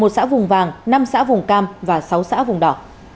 một xã vùng vàng năm xã vùng cam và sáu xã vùng đỏ